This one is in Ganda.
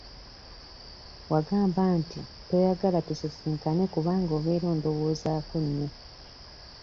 Wagamba nti toyagala tusisinkane kubanga obeera ondowoozaako nnyo.